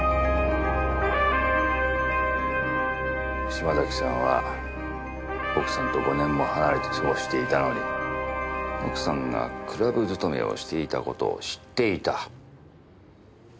島崎さんは奥さんと５年も離れて過ごしていたのに奥さんがクラブ勤めをしていた事を知っていた。